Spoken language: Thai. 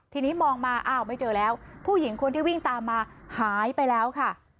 ทีนี้มองมาอ้าวไม่เจอแล้วผู้หญิงคนที่วิ่งตามมาหายไปแล้วค่ะ